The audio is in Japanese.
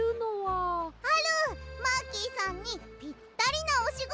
マーキーさんにぴったりなおしごと！